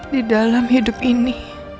di dalam hidup ini